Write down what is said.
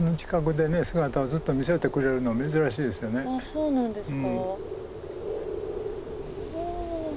そうなんですか。